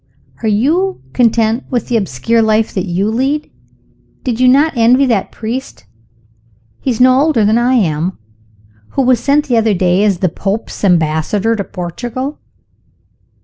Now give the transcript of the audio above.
Are you content with the obscure life that you lead? Did you not envy that priest (he is no older than I am) who was sent the other day as the Pope's ambassador to Portugal?"